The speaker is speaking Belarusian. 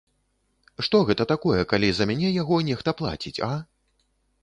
Што гэта такое, калі за мяне яго нехта плаціць, а?